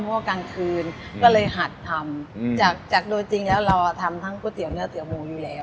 เพราะว่ากลางคืนก็เลยหัดทำจากโดยจริงแล้วเราทำทั้งก๋วยเตี๋เนื้อเตี๋หมูอยู่แล้ว